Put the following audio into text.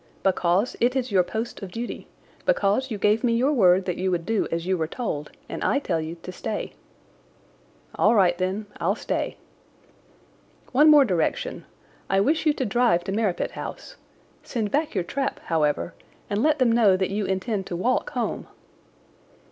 "Because it is your post of duty. Because you gave me your word that you would do as you were told, and I tell you to stay." "All right, then, I'll stay." "One more direction! I wish you to drive to Merripit House. Send back your trap, however, and let them know that you intend to walk home."